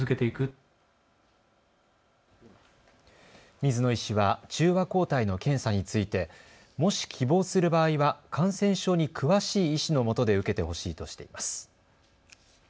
水野医師は中和抗体の検査についてもし希望する場合は感染症に詳しい医師のもとで受けてほしいとしています。